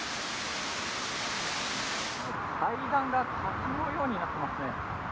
階段が滝のようになってますね。